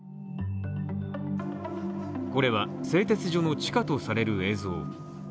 これは製鉄所の地下とされる映像。